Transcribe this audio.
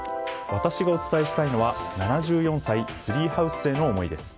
私がお伝えしたいのは７４歳ツリーハウスへの思いです。